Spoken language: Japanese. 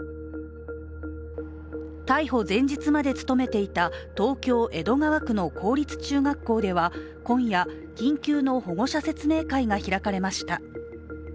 逮捕前日まで務めていた東京・江戸川区の公立中学校では今夜、緊急の保護者説明会が開かれました。